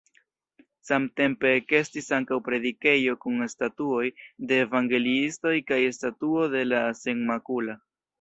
Samtempe ekestis ankaŭ predikejo kun statuoj de evangeliistoj kaj statuo de la Senmakula.